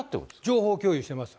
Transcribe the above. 情報共有してます。